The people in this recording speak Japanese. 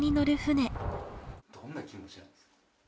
どんな気持ちですか？